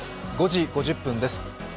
５時５０分です。